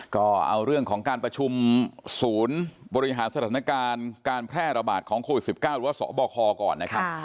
ก็เอาเรื่องของการประชุมศูนย์บริหารสถานการณ์การแพร่ระบาดของโควิด๑๙หรือว่าสบคก่อนนะครับ